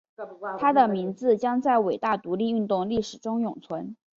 他的名字将在伟大独立运动历史中永存。